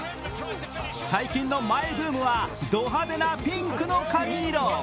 最近のマイブームはド派手なピンクの髪色。